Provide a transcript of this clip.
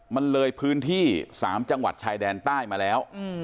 มันเลยพื้นที่๓จังหวัดชายแดนใต้มาแล้ว